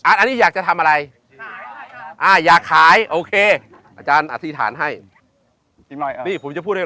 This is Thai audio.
อันนี้อยากจะทำอะไรอยากขายโอเคอาจารย์อธิษฐานให้นี่ผมจะพูดให้